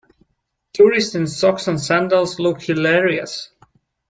Tourists in socks and sandals look hilarious.